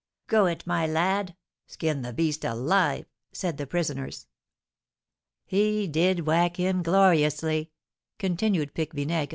Go it, my lad! Skin the beast alive!" said the prisoners. "He did whack him gloriously!" continued Pique Vinaigre.